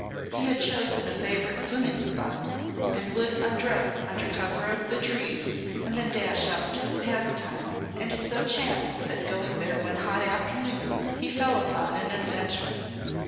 He had chosen a favourite swimming spot and would undress under cover of the trees and then dash out to his pastime, and it so chanced that going there one hot afternoon he fell upon an adventure.